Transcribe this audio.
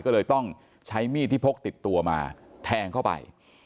ก็เลยต้องใช้มีดที่พกติดตัวมาแทงเข้าไป